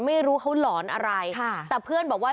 ไม่รู้เขาหลอนอะไรค่ะแต่เพื่อนบอกว่า